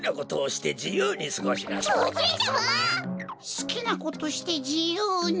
すきなことしてじゆうに。